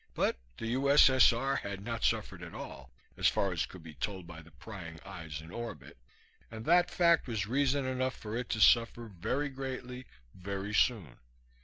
But the U.S.S.R. had not suffered at all, as far as could be told by the prying eyes in orbit; and that fact was reason enough for it to suffer very greatly very soon.